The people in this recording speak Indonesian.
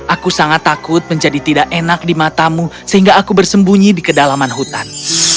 aku sangat takut menjadi tidak enak di matamu sehingga aku bersembunyi di kedalaman hutan